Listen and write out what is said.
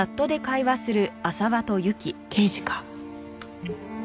「刑事か？」